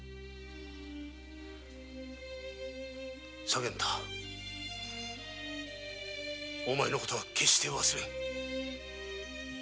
左源太お前の事は決して忘れぬ。